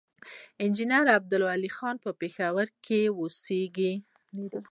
انجينير عبدالولي خان پۀ پېښور کښې اوسيږي،